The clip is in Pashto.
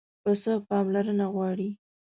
پسه پاملرنه غواړي.